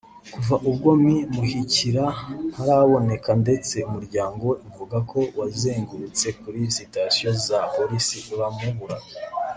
Kuva ubwo Me Muhikira ntaraboneka ndetse umuryango we uvuga ko wazengurutse kuri sitasiyo za polisi uramubura